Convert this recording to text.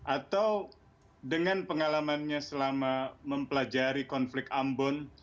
atau dengan pengalamannya selama mempelajari konflik ambon